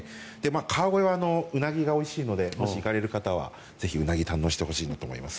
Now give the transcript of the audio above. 川越はウナギがおいしいので行かれる方はウナギ堪能していただきたいと思います。